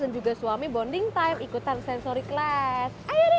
dan juga suami bonding time ikutan sensory class